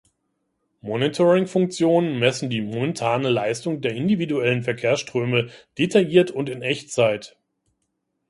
Monitoring-Funktionen messen die momentane Leistung der individuellen Verkehrsströme detailliert und in Echtzeit.